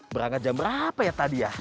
berangkat jam berapa ya tadi ya